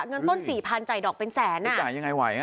เงินต้น๔๐๐๐จ่ายดอกเป็นแสนไม่จ่ายยังไงไหว